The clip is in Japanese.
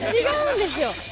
違うんですよ。